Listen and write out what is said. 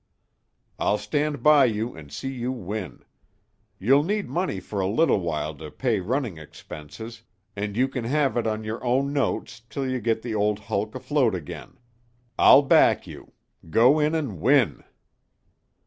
I'll stand by you and see you win. You'll need money for a little while to pay running expenses, and you can have it on your own notes till you get the old hulk afloat again. I'll back you. Go in and win!"